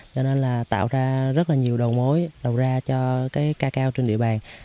cho nên là tạo ra rất là nhiều đầu mối đầu ra cho cái ca cao trên địa bàn